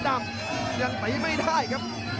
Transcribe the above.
เฟสเกมเลยครับ